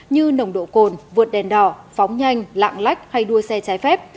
như nồng độ cồn vượt đèn đỏ phóng nhanh lạng lách hay đua xe trái phép